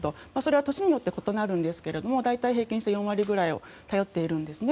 それは年によって異なるんですが大体平均して４割ぐらいを頼っているんですね。